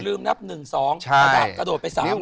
ลืมนับ๑๒ปราบกระโดดไป๓๕เลย